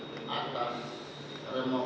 yang ada di atas remof